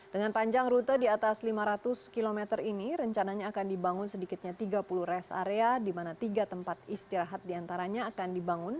dengan panjang rute di atas lima ratus km ini rencananya akan dibangun sedikitnya tiga puluh rest area di mana tiga tempat istirahat diantaranya akan dibangun